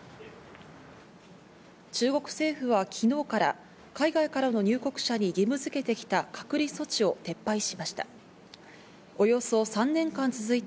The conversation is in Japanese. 中国政府は昨日から海外からの入国者に義務付けてきた隔離措置を撤廃しました。